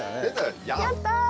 やったあ！